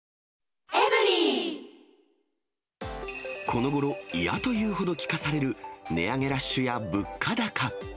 このごろ嫌というほど聞かされる値上げラッシュや物価高。